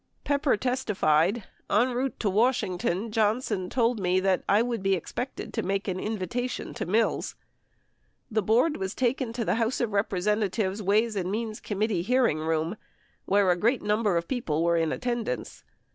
Pepper testified, "... en route to Washington, Johnson told me that I would be expected to make an invitation (to Mills)". 48 The board was taken to the House of Representatives' Ways and Means Com mittee hearing room, where a great number of people were in at tendance.